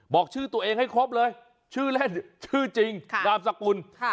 บอกชื่อตัวเองให้ครบเลยชื่อเล่นชื่อจริงนามสกุล